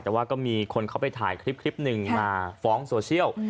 แต่ว่าก็มีคนเขาไปถ่ายคลิปหนึ่งมาฟ้องโซเชียล